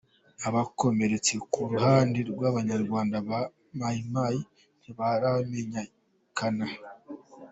Abakomeretse ku ruhande rw’Abarwanyi ba Mai Mai ntibaramenyekana.